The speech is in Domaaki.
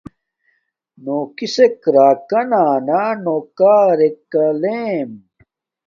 کسک راکانا نوکاریکا لیمے